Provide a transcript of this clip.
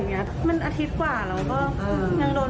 รู้สึกว่ารักเป็นจริงปะเนี่ยทำไมถึงเรียกดังนี้อะไรอย่างนี้